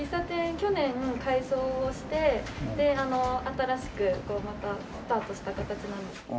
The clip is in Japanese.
去年改装をしてで新しくまたスタートをした形なんですけど。